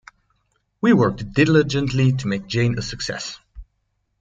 "We worked diligently to make "Jane" a success.